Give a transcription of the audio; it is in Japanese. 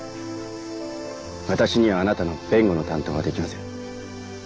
私にはあなたの弁護の担当は出来ません。